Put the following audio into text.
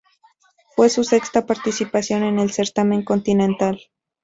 Fue su sexta participación en el certamen continental.